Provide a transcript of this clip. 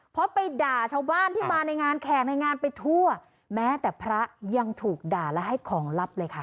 เพราะไปด่าชาวบ้านที่มาในงานแขกในงานไปทั่วแม้แต่พระยังถูกด่าและให้ของลับเลยค่ะ